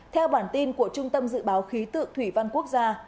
theo bản tin của trung tâm dự báo khí tượng thủy văn quốc gia